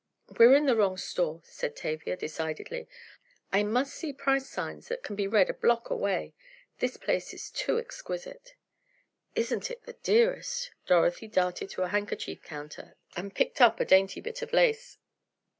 "We're in the wrong store," said Tavia, decidedly, "I must see price signs that can be read a block away. This place is too exquisite!" "Isn't this the dearest!" Dorothy darted to the handkerchief counter, and picked up a dainty bit of lace.